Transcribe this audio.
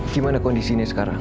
gimana kondisinya sekarang